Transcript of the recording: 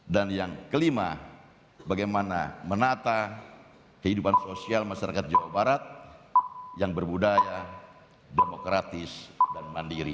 dan yang kelima bagaimana menata kehidupan sosial masyarakat jawa barat yang berbudaya demokratis dan mandiri